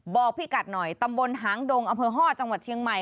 บอกพี่กัดหน่อยตำบลหางดงอำเภอฮ่อจังหวัดเชียงใหม่